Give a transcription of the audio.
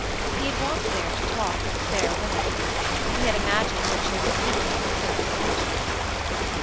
He had walked there to talk with a fair woman. He had imagined that she would pique him with pert speeches.